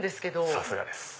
さすがです！